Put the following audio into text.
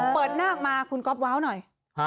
เปิดหน้ามาคุณก๊อบว้าวหน่อย